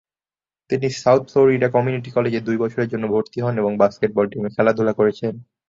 তিনি South Florida community কলেজে দুই বছরের জন্য ভর্তি হন এবং বাস্কেটবল টিমে খেলাধুলা করেছেন।